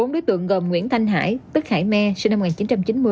bốn đối tượng gồm nguyễn thanh hải tức khải me sinh năm một nghìn chín trăm chín mươi